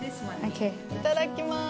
いただきます。